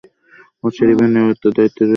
ও সোরিয়ানের নিরাপত্তার দায়িত্বে রয়েছে।